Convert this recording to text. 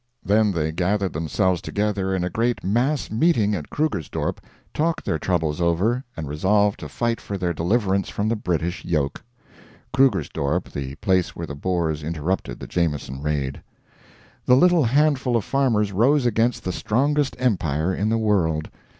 Then they gathered themselves together in a great mass meeting at Krugersdorp, talked their troubles over, and resolved to fight for their deliverance from the British yoke. (Krugersdorp the place where the Boers interrupted the Jameson raid.) The little handful of farmers rose against the strongest empire in the world.